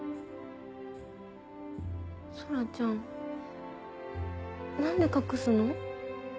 空ちゃん。何で隠すの？